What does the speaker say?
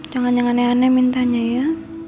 jangan jangan aneh aneh mintanya ya